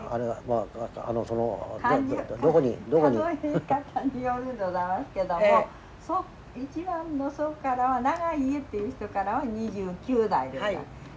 数え方によるんでございますけども一番の祖からは長家っていう人からは２９代でございます。